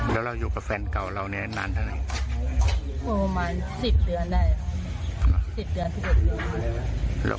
เขาจะเข้ามาว่าปวนเชียงคนเสียงไม่ยอมเลิก